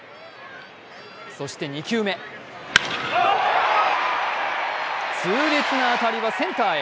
そして２球目痛烈な当たりはセンターへ。